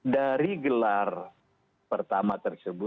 dari gelar pertama terkini